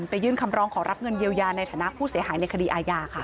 ยื่นคำร้องขอรับเงินเยียวยาในฐานะผู้เสียหายในคดีอาญาค่ะ